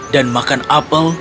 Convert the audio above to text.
dan makan apel